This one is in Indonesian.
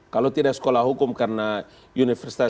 kalau tidak sekolah hukum karena universitas